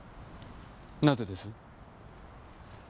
なぜです？